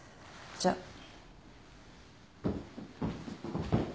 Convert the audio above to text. じゃあ。